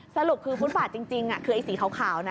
สรุปคือฟุตบาทจริงคือไอ้สีขาวนะ